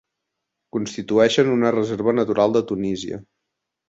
Constitueixen una reserva natural de Tunísia.